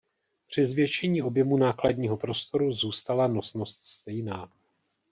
Při zvětšení objemu nákladního prostoru zůstala nosnost stejná.